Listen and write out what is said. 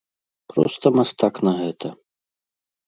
Проста мастак на гэта.